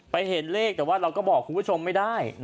เห็นเลขแต่ว่าเราก็บอกคุณผู้ชมไม่ได้